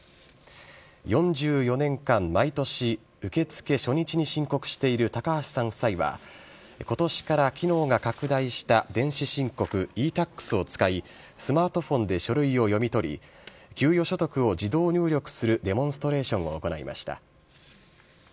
４４年間、毎年受け付け初日に申告している高橋さん夫妻は、ことしから機能が拡大した電子申告、ｅ−Ｔａｘを使い、スマートフォンで書類を読み取り、給与所得を自動入力するデモンストレーションを行いました。